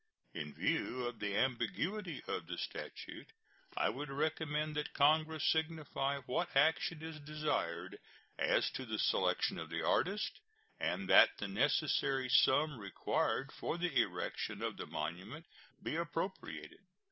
In view of the ambiguity of the statute, I would recommend that Congress signify what action is desired as to the selection of the artist, and that the necessary sum required for the erection of the monument be appropriated.